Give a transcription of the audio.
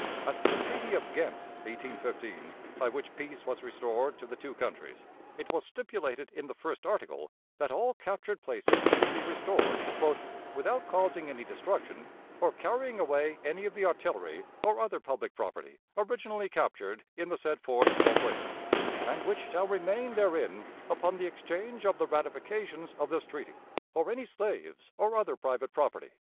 At the Treaty of Ghent, 1815, by which peace was restored to the two countries, it was stipulated in the first article that all captured places should be restored "without causing any destruction, or carrying away any of the artillery or other public property originally captured in the said forts or places, and which shall remain therein upon the exchange of the ratifications of this treaty; or any slaves or other private property."